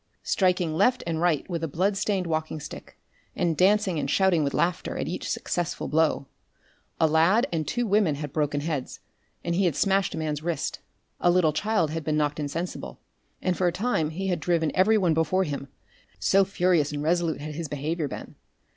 striking left and right with a blood stained walking stick, and dancing and shouting with laughter at each successful blow. A lad and two women had broken heads, and he had smashed a man's wrist; a little child had been knocked insensible, and for a time he had driven every one before him, so furious and resolute had his behaviour been.